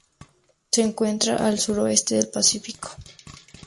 Se encuentra al suroeste del Pacífico.